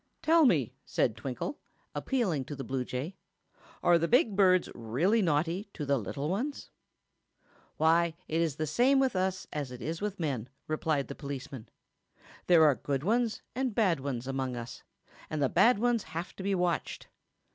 "Tell me," said Twinkle, appealing to the bluejay; "are the big birds really naughty to the little ones?" "Why, it is the same with us as it is with men," replied the policeman. "There are good ones and bad ones among us, and the bad ones have to be watched.